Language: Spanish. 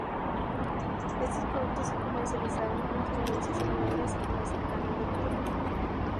Estos productos se comercializaban con las provincias aledañas y con las cercanas de Ecuador.